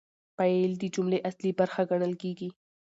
فاعل د جملې اصلي برخه ګڼل کیږي.